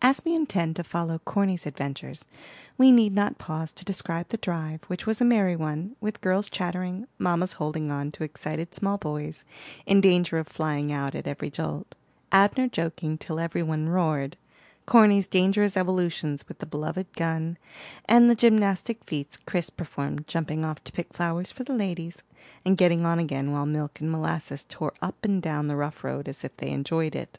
As we intend to follow Corny's adventures, we need not pause to describe the drive, which was a merry one; with girls chattering, mammas holding on to excited small boys, in danger of flying out at every jolt, Abner joking till every one roared, Corny's dangerous evolutions with the beloved gun, and the gymnastic feats Chris performed, jumping off to pick flowers for the ladies, and getting on again while Milk and Molasses tore up and down the rough road as if they enjoyed it.